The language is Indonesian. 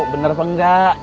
bener apa enggak